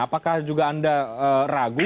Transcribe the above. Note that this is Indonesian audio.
apakah juga anda ragu